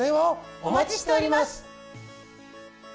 お待ちしております。